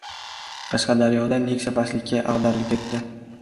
Qashqadaryoda "Nexia" pastlikka ag‘darilib ketdi